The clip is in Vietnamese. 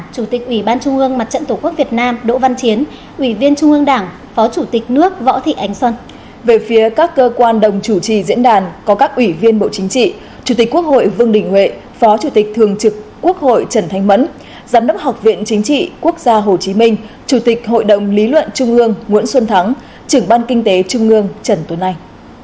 chủ tịch quốc hội vương đình huệ phó chủ tịch thường trực quốc hội trần thanh mẫn giám đốc học viện chính trị quốc gia hồ chí minh chủ tịch hội đồng lý luận trung ương nguyễn xuân thắng trưởng ban kinh tế trung ương trần tuấn anh